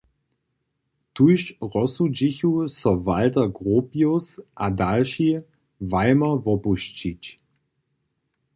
Tuž rozsudźichu so Walter Gropius a dalši, Weimar wopušćić.